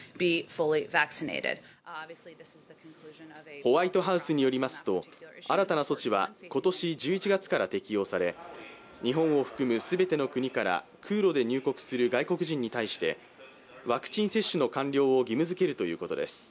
ホワイトハウスによりますと新たな措置は今年１１月から適用され日本を含む全ての国から空路で入国する外国人に対してワクチン接種の完了を義務づけるということです。